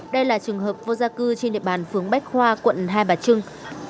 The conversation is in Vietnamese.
đây là trường hợp vô gia cư trên địa bàn phường bách khoa quận hai bà trưng